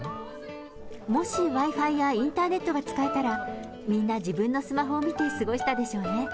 もし、Ｗｉ−Ｆｉやインターネットが使えたら、みんな、自分のスマホを見て過ごしたでしょうね。